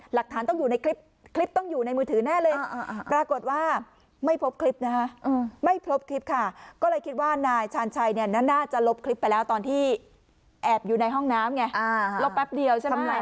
หลักฐานต้องอยู่ในคลิปคลิปต้องอยู่ในมือถือแน่เลย